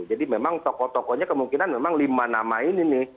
jadi memang tokoh tokohnya kemungkinan memang lima nama ini nih